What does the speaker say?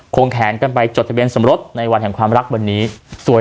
งแขนกันไปจดทะเบียนสมรสในวันแห่งความรักวันนี้สวย